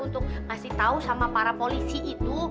untuk ngasih tahu sama para polisi itu